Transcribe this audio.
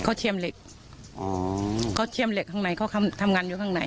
เขาเชื่อมเหล็กอ๋อเขาเชื่อมเหล็กข้างในเขาทำงานอยู่ข้างใน